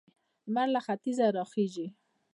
لمر له ختیځه راخيژي.